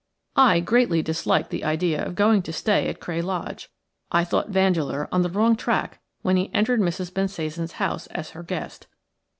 I greatly disliked the idea of going to stay at Cray Lodge. I thought Vandeleur on the wrong track when he entered Mrs. Bensasan's house as her guest.